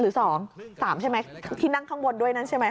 หรือ๒๓ใช่ไหมที่นั่งข้างบนด้วยนั่นใช่ไหม